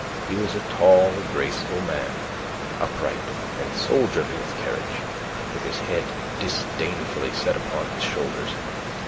He was a tall, graceful man, upright and soldierly of carriage, with his head disdainfully set upon his shoulders.